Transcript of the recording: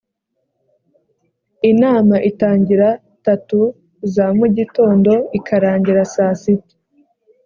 inama itangira tatu za mu gitondo ikarangira saa sita